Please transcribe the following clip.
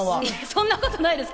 そんなことないです。